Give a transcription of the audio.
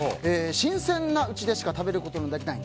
新鮮なうちでしか食べることができない